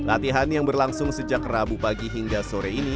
latihan yang berlangsung sejak rabu pagi hingga sore ini